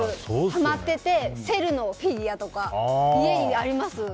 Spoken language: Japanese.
はまっててセルのフィギュアとか家にあります。